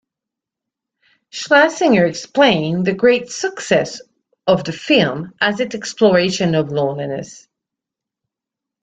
Schlesinger explained the great success of the film as its exploration of loneliness.